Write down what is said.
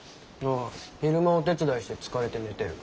あ昼間お手伝いして疲れて寝てる。